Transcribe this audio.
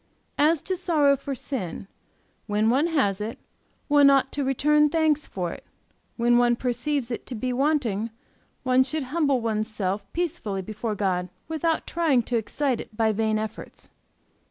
As to sorrow for sin, when one has it, one ought to return thanks for it; when one perceives it to be wanting, one should humble one's self peacefully before God without trying to excite it by vain efforts.